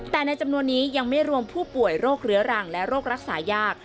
แต่ในจำนวนนี้ยังไม่รวมผู้ป่วยโรคเรื้อรังและโรครักษายาก